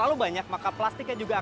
ada yang putih